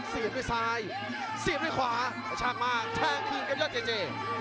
เสียบด้วยซ้ายเสียบด้วยขวาช่างมากแช่งทิ้งกับยอดเจเจ